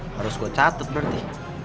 harus gua catet berarti